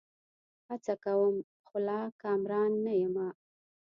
هڅه کوم؛ خو لا کامران نه یمه